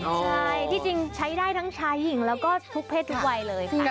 ใช่ที่จริงใช้ได้ทั้งชายหญิงแล้วก็ทุกเพศทุกวัยเลย